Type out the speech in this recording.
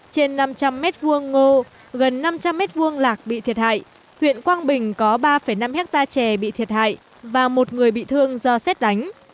trên năm trăm linh m hai ngô gần năm trăm linh m hai lạc bị thiệt hại huyện quang bình có ba năm hectare trè bị thiệt hại và một người bị thương do xét đánh